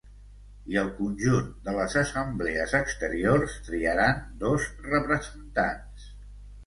I el conjunt de les assemblees exteriors triaran dos representants.